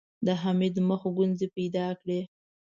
د حميد مخ ګونځې پيدا کړې.